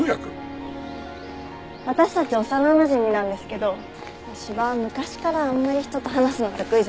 私たち幼なじみなんですけど斯波は昔からあんまり人と話すの得意じゃなくて。